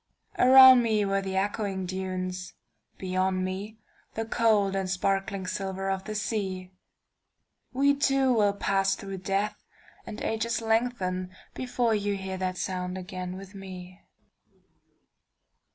Around me were the echoing dunes, beyond meThe cold and sparkling silver of the sea—We two will pass through death and ages lengthenBefore you hear that sound again with me.